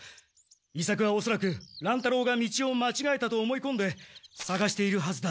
伊作はおそらく乱太郎が道をまちがえたと思いこんでさがしているはずだ。